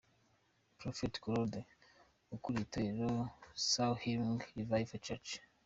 Prophet Claude ukuriye itorero Soul Healing Revival church